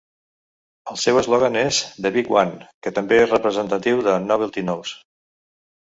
El seu eslògan és "The Big One" que també és representatiu del Novelty Nose.